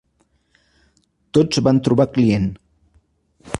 Tots van trobar client.